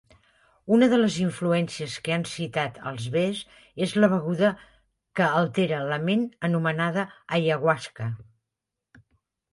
Una de les influències que han citat els Bees és la beguda que altera la ment anomenada ayahuasca.